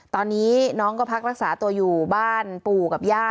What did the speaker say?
ตอนนี้น้องก็พักรักษาตัวอยู่บ้านปู่กับย่า